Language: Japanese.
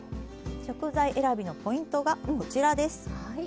食材選びのポイントがこちらです。